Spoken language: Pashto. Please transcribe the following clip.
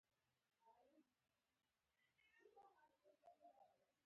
ملګری د خوښۍ خزانې درباندې خلاصوي.